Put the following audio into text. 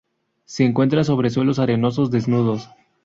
Se encuentra sobre suelos arenosos desnudos.